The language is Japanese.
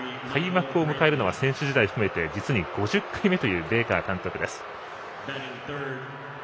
開幕を迎えるのは選手時代を含め実に５０回目というベイカー監督です。